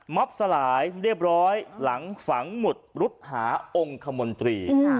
สลายเรียบร้อยหลังฝังหมุดรุษหาองค์คมนตรี